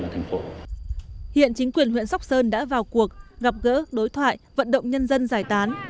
và thành phố hiện chính quyền huyện sóc sơn đã vào cuộc gặp gỡ đối thoại vận động nhân dân giải tán